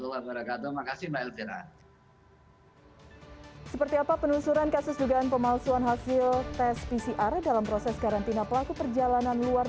waalaikumsalam warahmatullahi wabarakatuh